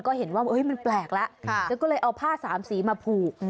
ก็เห็นว่ามันแปลกแล้วเธอก็เลยเอาผ้าสามสีมาผูก